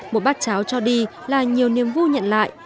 một bát cháo cho đi là nhiều niềm vui nhận lại